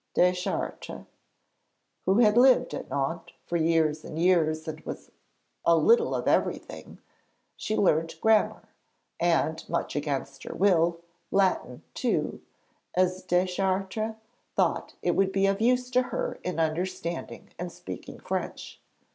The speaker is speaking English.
Deschartres who had lived at Nohant for years and years and was a little of everything she learnt grammar, and, much against her will, Latin too, as Deschartres thought it would be of use to her in understanding and speaking French.